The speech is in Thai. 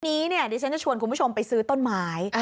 วันนี้เนี่ยดิฉันจะชวนคุณผู้ชมไปซื้อต้นไม้